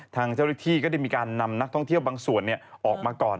ทางเจ้าหน้าที่ก็ได้มีการนำนักท่องเที่ยวบางส่วนออกมาก่อน